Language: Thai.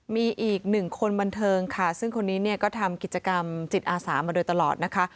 มีอีกหนึ่งคนบันเทิงค่ะซึ่งคนนี้เนี่ยก็ทำกิจกรรมจิตอาสามาโดยตลอดนะคะ